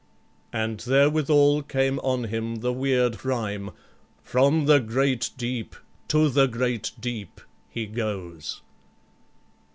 And therewithal came on him the weird rhyme, "From the great deep to the great deep he goes."